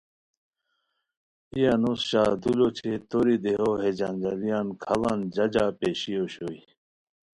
ای انوس شاہ دولو اوچے توری دیہو ہے جنجالیان کھاڑان ججہ پیشی اوشوئے